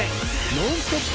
ノンストップ！